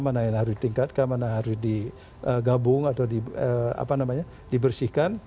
mana yang harus ditingkatkan mana yang harus digabung atau dibersihkan